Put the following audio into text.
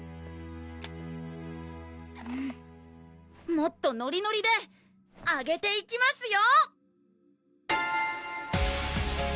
もっとノリノリでアゲていきますよ！